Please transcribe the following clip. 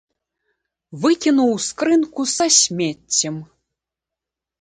Выкінуў ў скрынку са смеццем.